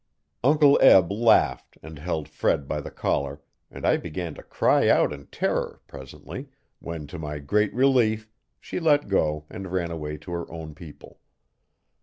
Uncle Eb laughed and held Fred by the collar, and I began to cry out in terror, presently, when, to my great relief, she let go and ran away to her own people.